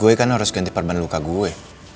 gue kan harus ganti perban luka gue